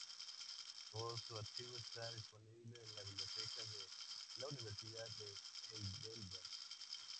Todo su archivo está disponible en la biblioteca de la Universidad de Heidelberg.